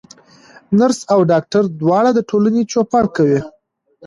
نرس او ډاکټر دواړه د ټولني چوپړ کوي.